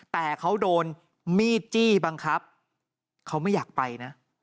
แต่เขาโดนมีดจี้บังคับเขาไม่อยากไปนะ